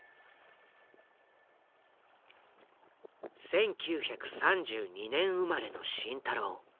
１９３２年生まれの慎太郎。